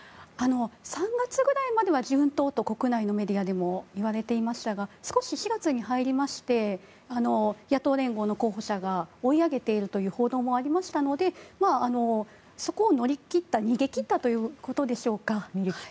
３月ぐらいまでは順当と国内メディアでもいわれていましたが４月に入りまして野党連合の候補者が追い上げているという報道もありましたのでそこを乗り切った、逃げ切ったということでしょうか。